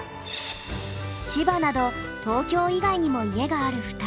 千葉など東京以外にも家がある２人。